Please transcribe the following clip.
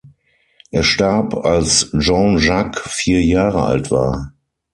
Er starb, als Jean Jacques vier Jahre alt war.